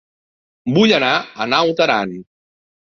Vull anar a Naut Aran